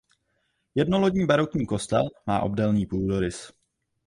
Jednolodní barokní kostel má obdélný půdorys.